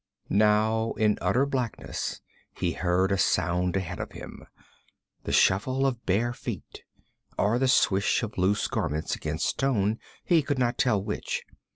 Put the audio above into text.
Now in utter blackness he heard a sound ahead of him the shuffle of bare feet, or the swish of loose garments against stone, he could not tell which.